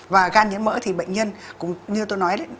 và gan nhiễm mỡ thì bệnh nhân cũng như tôi nói đấy